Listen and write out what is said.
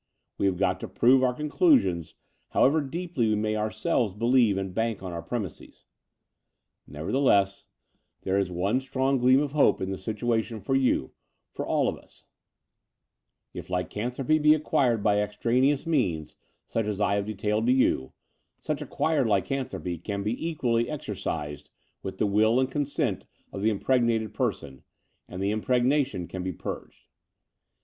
We have got to prove our con clusions, however deeply we may ourselves believe and bank on our premises. Nevertheless, there is 238 The Door of the Unreal one strong gleam of hope in the situation for you, for all of us — ^if lycanthropy be acquired by ex traneous means, such as I have detailed to you, such acquired lycanthropy can be equally exorcised with the will and consent of the impregnated per son, and the impregnation can be purged.